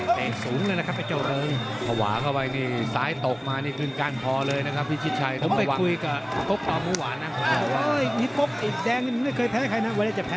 พยายามดึงตัวอยู่ด้วยนะ